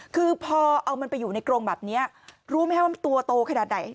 คือพอเอามันไปอยู่ในกรงแบบนี้รู้ไหมว่ามันตัวโตขนาดไหน